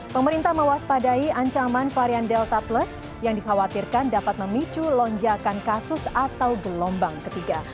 pemerintah mewaspadai ancaman varian delta plus yang dikhawatirkan dapat memicu lonjakan kasus atau gelombang ketiga